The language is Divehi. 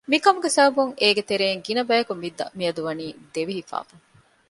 މިކަމުގެ ސަބަބުން އޭގެ ތެރެއިން ގިނަބަޔަކު މިއަދު ވަނީ ދެވި ހިފައިފަ